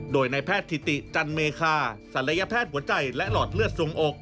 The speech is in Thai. โดยนายแพทย์ถิติจันเมคาศัลยแพทย์หัวใจและหลอดเลือดทรงอก